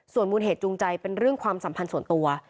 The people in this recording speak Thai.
ส่วนมูลเหตุจูงใจเป็นเรื่องความสัมพันธ์ส่วนตัว